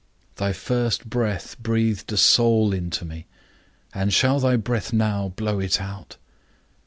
Thy first breath breathed a soul into me, and shall thy breath blow it out?